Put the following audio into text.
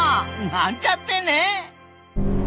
なんちゃってね！